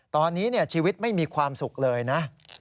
ตอนนี้ชีวิตไม่มีความสุขเลยนะ